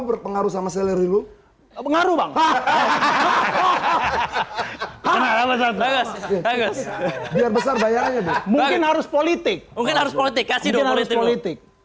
berpengaruh sama selerilu pengaruh bang hahaha biar besar bayarnya mungkin harus politik politik